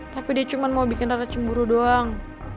tapi dia cuma mau bikin rada cemburu doang